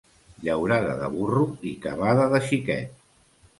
Llaurada de burro i cavada de xiquet.